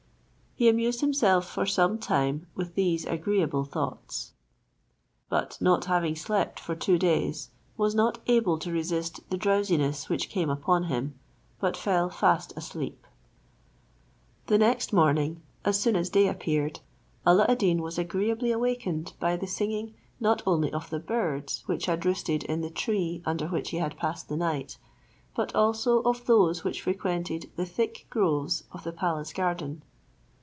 He amused himself for some time with these agreeable thoughts; but not having slept for two days, was not able to resist the drowsiness which came upon him, but fell fast asleep. The next morning, as soon as day appeared, Alla ad Deen was agreeably awakened by the singing not only of the birds which had roosted in the tree under which he had passed the night, but also of those which frequented the thick groves of the palace garden.